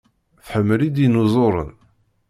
Tḥemmlem idinuẓuren?